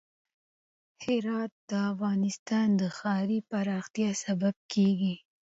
هرات د افغانستان د ښاري پراختیا سبب کېږي.